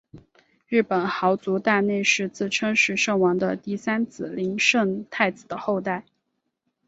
日本豪族大内氏自称是圣王的第三子琳圣太子的后代。